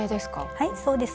はいそうです。